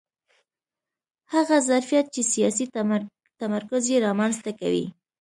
هغه ظرفیت چې سیاسي تمرکز یې رامنځته کوي